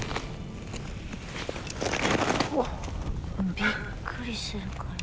びっくりするから。